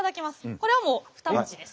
これはもう２文字です。